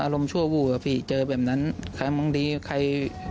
และมากขึ้นทุยไป